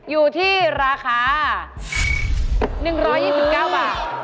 อยู่ที่ราคา๑๒๙บาท